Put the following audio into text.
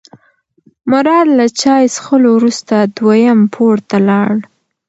مراد له چای څښلو وروسته دویم پوړ ته لاړ.